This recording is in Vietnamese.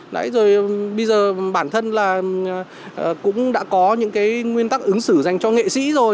đấy rồi bây giờ bản thân là cũng đã có những cái nguyên tắc ứng xử dành cho nghệ sĩ rồi